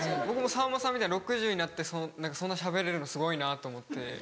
僕もさんまさんみたいに６０になってそんなしゃべれるのすごいなと思って。